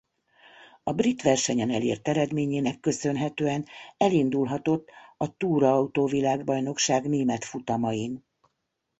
A brit versenyen elért eredményének köszönhetően elindulhatott a túraautó-világbajnokság német futamain.